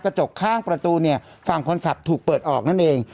กระจกข้างประตูเนี่ยฝั่งคนขับถูกเปิดออกนั่นเอง